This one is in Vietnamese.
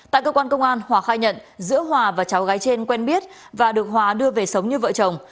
tại cơ quan công an hòa khai nhận giữa hòa và cháu gái trên quen biết và được hòa đưa về sống như vợ chồng